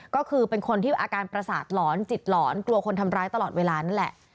ก็คือเป็นคนที่อาการประสาทหลอนจิตหลอนกลัวคนทำร้ายตลอดเวลานั่นแหละ